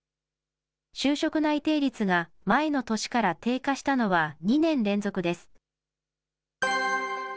就職内定率が前の年から低下したのは２年連続です。